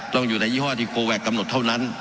ต้องอยู่ในยี่ห้อที่โคแวคกำหนดเท่านั้น